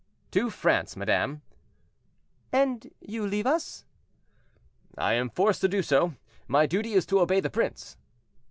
"To France, madame." "And you leave us?" "I am forced to do so; my duty is to obey the prince."